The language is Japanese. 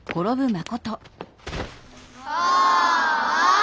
ああ！